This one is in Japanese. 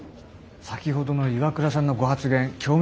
先ほどの岩倉さんのご発言興味